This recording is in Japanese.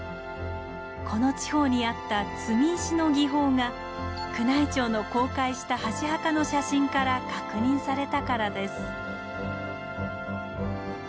この地方にあった積み石の技法が宮内庁の公開した箸墓の写真から確認されたからです。